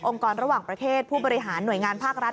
กรระหว่างประเทศผู้บริหารหน่วยงานภาครัฐ